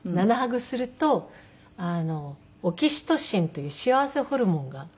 ７ハグするとオキシトシンという幸せホルモンが。